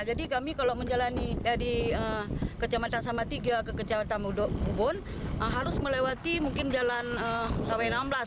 jadi kami kalau menjalani dari kecamatan sambat tiga ke kecamatan hubun harus melewati mungkin jalan kw enam belas